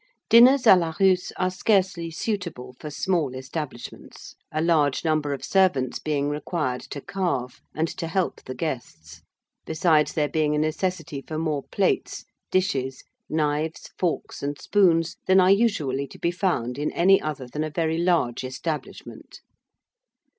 _ Dinners à la Russe are scarcely suitable for small establishments; a large number of servants being required to carve; and to help the guests; besides there being a necessity for more plates, dishes, knives, forks, and spoons, than are usually to be found in any other than a very large establishment.